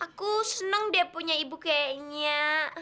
aku senang deh punya ibu kayaknya